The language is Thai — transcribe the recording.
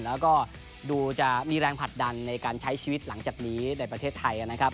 แล้วก็ดูจะมีแรงผลักดันในการใช้ชีวิตหลังจากนี้ในประเทศไทยนะครับ